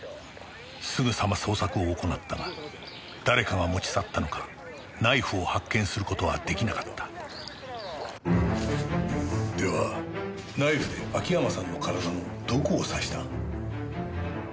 すぐさま捜索を行ったが誰かが持ち去ったのかナイフを発見する事は出来なかったではナイフで秋山さんの体のどこを刺した？